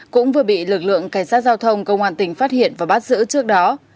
cũng vừa bị lực lượng cảnh sát giao thông công an tỉnh phát hiện và bắt giữ trước đó